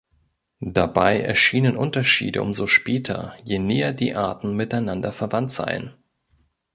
Dabei erschienen Unterschiede umso später, je näher die Arten miteinander verwandt seien.